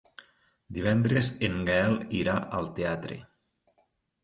Divendres en Gaël irà al teatre.